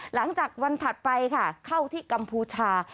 หลังจากวันถัดไปค่ะเข้าที่กัมพูชา